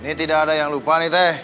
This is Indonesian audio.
ini tidak ada yang lupa nih teh